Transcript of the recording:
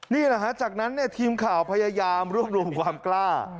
นี่แหละฮะจากนั้นทีมข่าวพยายามรวบรวมความกล้า